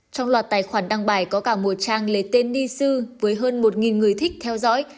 trong loạt tài khoản đăng bài có cả một trang lấy tên ni sư với hơn một người thích theo dõi